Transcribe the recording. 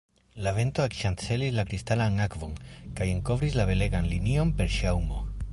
La vento ekŝancelis la kristalan akvon kaj enkovris la belegan lilion per ŝaŭmo.